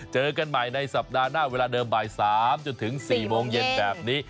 เจอกันใหม่ในสัปดาห์หน้าเวลาเดิมบ่าย๓จนถึง๔โมงเย็นแบบนี้